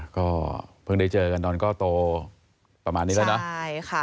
ก็เพิ่งได้เจอกันตอนก็โตประมาณนี้แล้วนะใช่ค่ะ